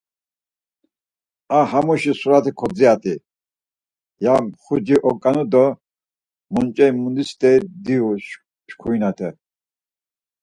“A hamuşi surat̆i kotsadi!” ya mxuci oǩanu do; “Monç̌e mundi st̆eri diyu şǩurinate.”